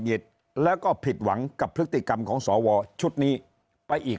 แล้วก็ผิดหวังกับพฤติกรรมของสวชุดนี้ไปอีก